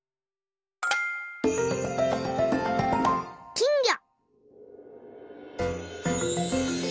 きんぎょ。